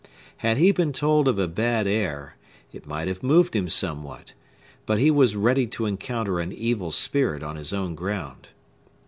Had he been told of a bad air, it might have moved him somewhat; but he was ready to encounter an evil spirit on his own ground.